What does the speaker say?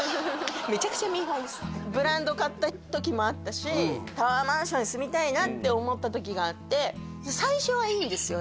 めちゃくちゃミーハーですブランド買った時もあったしタワーマンションに住みたいなって思った時があって最初はいいんですよ